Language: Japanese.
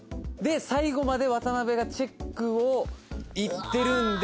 最後まで渡邊がチェックをいってるんで。